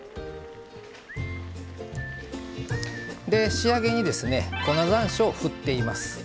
仕上げに粉ざんしょうを振っています。